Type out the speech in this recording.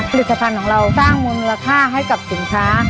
ผลิตภัณฑ์ของเราสร้างมูลค่าให้กับสินค้า